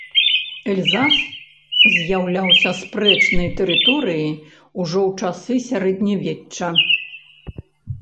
Эльзас з'яўляўся спрэчнай тэрыторыяй ужо ў часы сярэднявечча.